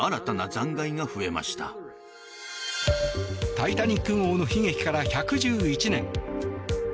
「タイタニック号」の悲劇から１１１年。